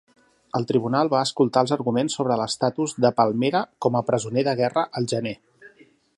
El tribunal va escoltar els arguments sobre l'estatus de Palmera com a presoner de guerra al gener.